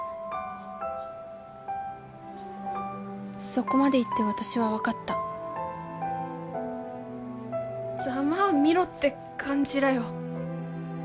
そこまで言って私は分かったざまあ見ろって感じらよ。